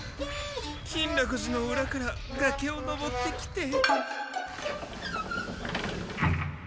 金楽寺の裏からがけを登ってきて。